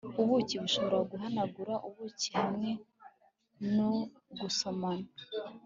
Ubuki bushobora guhanagura ubuki hamwe no gusomana